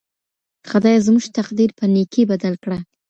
خدایه زموږ تقدیر په نیکۍ بدل کړه.